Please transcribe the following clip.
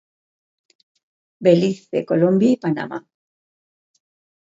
Belize, Colòmbia i Panamà.